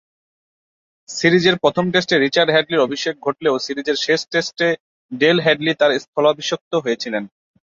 সিরিজের প্রথম টেস্টে রিচার্ড হ্যাডলি’র অভিষেক ঘটলেও সিরিজের শেষ দুই টেস্টে ডেল হ্যাডলি তার স্থলাভিষিক্ত হয়েছিলেন।